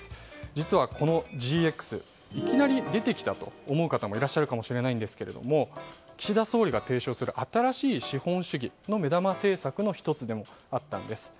実はこのＧＸいきなり出てきたと思う方もいらっしゃるかもしれないんですけど岸田総理が提唱する新しい資本主義その目玉政策の１つでもあったんです。